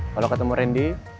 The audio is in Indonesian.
kalau ketemu rendy